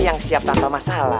yang siap tanpa masalah